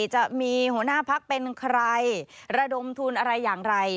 จะมีหัวหน้าพักเป็นใครระดมทุนอะไรอย่างไร